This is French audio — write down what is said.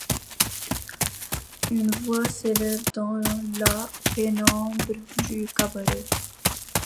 Une voix s’élève dans la pénombre du cabaret.